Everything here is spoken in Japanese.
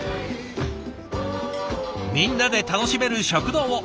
みんなで楽しめる食堂を。